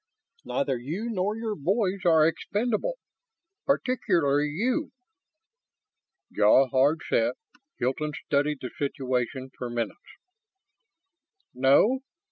Neither you nor your boys are expendable. Particularly you." Jaw hard set, Hilton studied the situation for minutes. "No.